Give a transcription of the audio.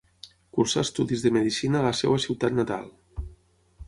Cursà estudis de medicina a la seua ciutat natal.